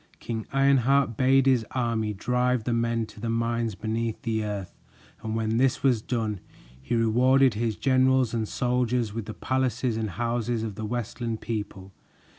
King Ironheart bade his army drive the men to the mines beneath the earth, and when this was done, he rewarded his generals and soldiers with the palaces and houses of the Westland people.